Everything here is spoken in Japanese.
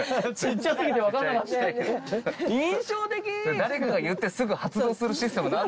誰かが言ってすぐ発動するシステム何なの？